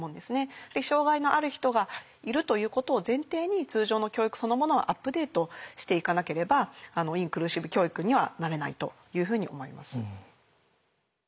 障害のある人がいるということを前提に通常の教育そのものをアップデートしていかなければインクルーシブ教育にはなれないというふうに思います。